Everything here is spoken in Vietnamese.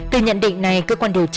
từ nhận định này cơ quan điều tra